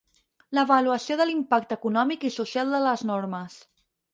L'avaluació de l'impacte econòmic i social de les normes.